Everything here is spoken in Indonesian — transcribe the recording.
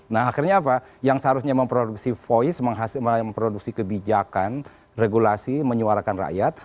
nah akhirnya apa yang seharusnya memproduksi voice memproduksi kebijakan regulasi menyuarakan rakyat